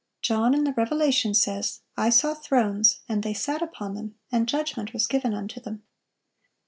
John in the Revelation says: "I saw thrones, and they sat upon them, and judgment was given unto them."